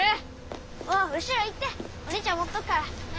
もう後ろ行ってお兄ちゃん持っとくから。